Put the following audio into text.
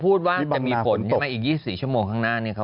อืมไฮยุเข้าค่ะ